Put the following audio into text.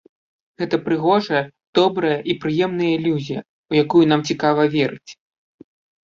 Гэта прыгожая, добрая і прыемная ілюзія, у якую нам цікава верыць.